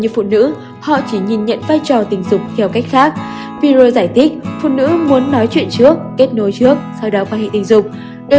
sáu phụ nữ trải qua cực khoái